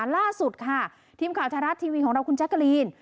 ล่าสุดค่ะทีมข่าวทาราชทีวีของเราคุณจักรีน